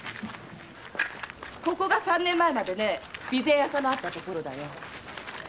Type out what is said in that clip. ここが三年前まで備前屋さんのあった所だよ。